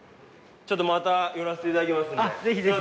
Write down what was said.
ちょっとまた寄らせていただきますので。